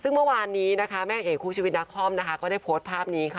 ซึ่งเมื่อวานนี้นะคะแม่เอกคู่ชีวิตนักคอมนะคะก็ได้โพสต์ภาพนี้ค่ะ